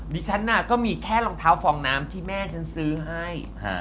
ฉันน่ะก็มีแค่รองเท้าฟองน้ำที่แม่ฉันซื้อให้